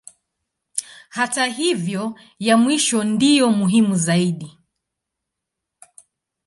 Hata hivyo ya mwisho ndiyo muhimu zaidi.